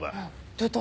出た！